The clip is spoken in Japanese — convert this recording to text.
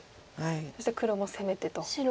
そして黒も攻めてと。